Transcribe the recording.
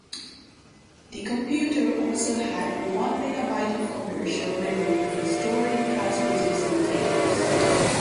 The computer also had one megabyte of commercial memory for storing transposition tables.